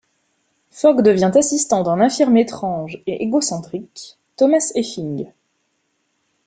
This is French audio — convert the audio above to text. Fogg devient assistant d'un infirme étrange et égocentrique, Thomas Effing.